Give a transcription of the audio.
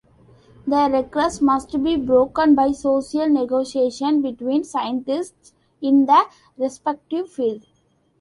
The regress must be broken by "social negotiation" between scientists in the respective field.